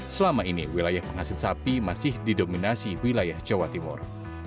selama ini wilayah penghasil sapi masih didominasi wilayah jawa timur